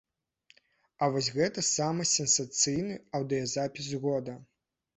А вось гэта самы сенсацыйны аўдыёзапіс года.